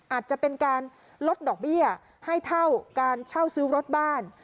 อาจจะเป็นการลดดอกเบี้ยให้เท่าการเช่าซื้อรถบ้าน